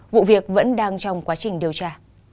vụ việc vẫn đang trong quá trình điều tra